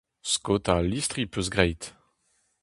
Skaotañ al listri az peus graet.